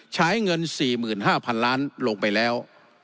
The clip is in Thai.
ใช้เงิน๔๕๐๐๐ล้านลงไปแล้ว